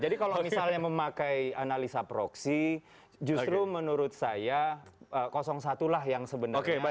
jadi kalau misalnya memakai analisa proxy justru menurut saya satu lah yang sebenarnya diuntungkan